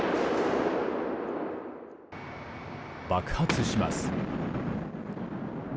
爆発します。